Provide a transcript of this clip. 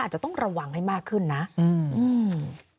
อาจจะต้องระวังให้มากขึ้นนะอืม